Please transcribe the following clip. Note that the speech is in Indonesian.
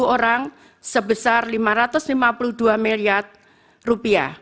satu orang sebesar rp lima ratus lima puluh dua miliar